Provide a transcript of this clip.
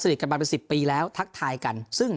สะลิกกันมา๑๐ปีแล้วทักไทยกัน